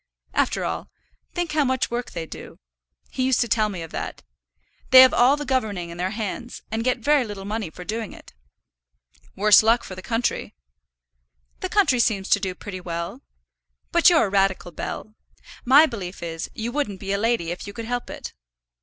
After all, think how much work they do. He used to tell me of that. They have all the governing in their hands, and get very little money for doing it." "Worse luck for the country." "The country seems to do pretty well. But you're a radical, Bell. My belief is, you wouldn't be a lady if you could help it."